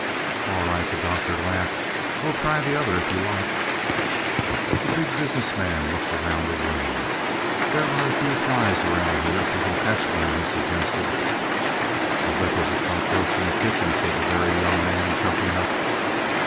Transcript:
"All right," the Doctor laughed. "We'll try the other if you like." The Big Business Man looked around the room. "There's a few flies around here if we can catch one," he suggested. "I'll bet there's a cockroach in the kitchen," said the Very Young Man, jumping up.